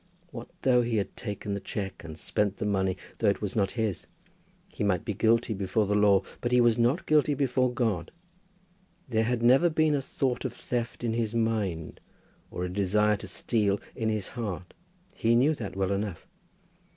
What though he had taken the cheque, and spent the money though it was not his? He might be guilty before the law, but he was not guilty before God. There had never been a thought of theft in his mind, or a desire to steal in his heart. He knew that well enough.